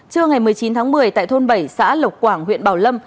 trưa ngày một mươi chín tháng một mươi tại thôn bảy xã lộc quảng huyện bảo lâm